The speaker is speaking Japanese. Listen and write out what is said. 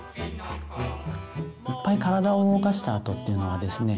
いっぱい体を動かしたあとっていうのはですね